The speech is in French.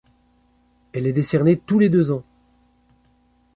Elle est décernée tous les deux ans.